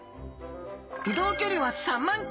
移動距離は３万ｋｍ！